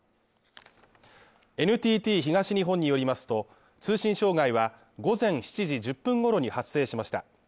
ＮＴＴ東日本によりますと、通信障害は午前７時１０分ごろに発生しました。